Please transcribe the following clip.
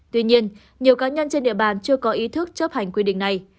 tuy nhiên nhiều cá nhân trên địa bàn chưa có ý thức chấp hành quy định này